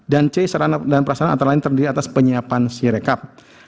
dan c sarana dan perasana antara lain terdiri atas penyiapan si rekap